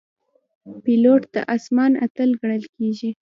پیلوټ د آسمان اتل ګڼل کېږي.